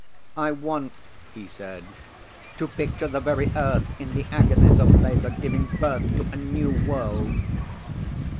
"I want," he said, "to picture the very earth in the agonies of labour giving birth to a new world."